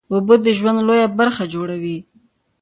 اوبه د ژوند لویه برخه جوړوي